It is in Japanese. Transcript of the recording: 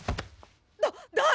だ誰